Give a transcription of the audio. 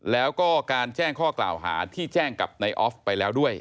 แล้วก็การแจ้งข้อกล่าวหาที่แจ้งกับนายออฟไปแล้วด้วย